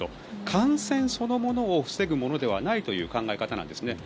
感染そのものを防ぐものではないという考え方なんですね。